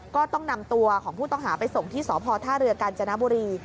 ก็ต้องนำตัวของผู้ต้องหาไปส่งที่สพท่าเรือกาญจนบุรี